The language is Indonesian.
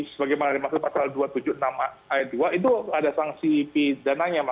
sebagaimana dimaksud pasal dua ratus tujuh puluh enam ayat dua itu ada sanksi pidananya